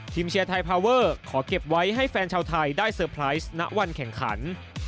เชียร์ไทยพาเวอร์ขอเก็บไว้ให้แฟนชาวไทยได้เตอร์ไพรส์ณวันแข่งขัน